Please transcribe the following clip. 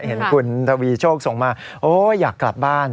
เห็นคุณทวีโชคส่งมาโอ้อยากกลับบ้าน